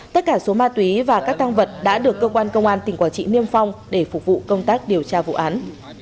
tất cả số ma túy và các tăng vật đã được cơ quan công an tỉnh quảng trị niêm phong để phục vụ công tác điều tra vụ án